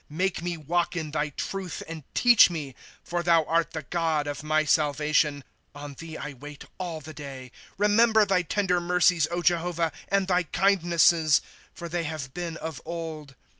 ^ Make ine walk in thy truth, and teach me ; For thou art the God of my salvation, On thee I wait all tlie day. ^ Rememher thy tender mercies, Jehovah, and thy kindnesses ; For they have been of old.